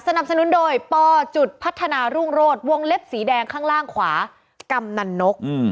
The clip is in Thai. สนับสนุนโดยปจุดพัฒนารุ่งโรดวงเล็บสีแดงข้างล่างขวากำนันนก